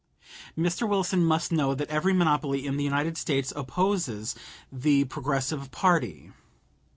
Mr. Wilson must know that every monopoly in the United States opposes the Progressive party.